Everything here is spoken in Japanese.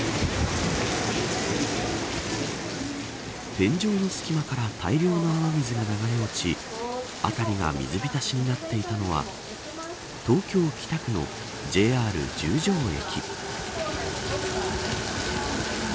天井の隙間から大量の雨水が流れ落ち辺りが水浸しになっていたのは東京・北区のＪＲ十条駅。